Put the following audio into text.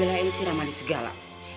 apa ngebelain si ramadini segala